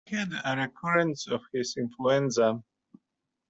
He had a recurrence of his influenza.